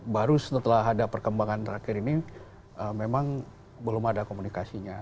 baru setelah ada perkembangan terakhir ini memang belum ada komunikasinya